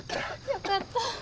よかった。